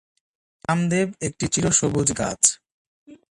কামদেব একটি চিরসবুজ গাছ।